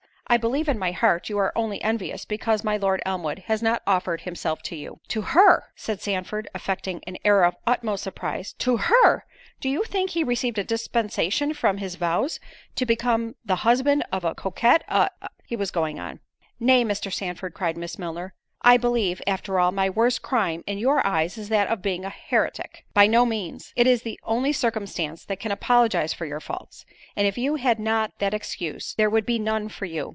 I believe in my heart you are only envious, because my Lord Elmwood has not offered himself to you." "To her!" said Sandford, affecting an air of the utmost surprise; "to her! Do you think he received a dispensation from his vows, to become the husband of a coquette—a——."—He was going on. "Nay, Mr. Sandford," cried Miss Milner, "I believe, after all, my worst crime, in your eyes, is that of being a heretic." "By no means—it is the only circumstance that can apologize for your faults; and if you had not that excuse, there would be none for you."